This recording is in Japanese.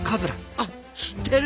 あ知ってる！